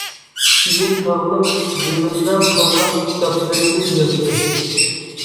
كېيىن تاغلىق زېمىندا قالغان كىتابلىرىنى يازدى.